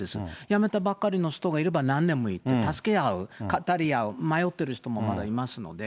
やめたばっかりの人もいれば、何年もの人もいて、助け合う、語り合う、迷ってる人もまだいますので。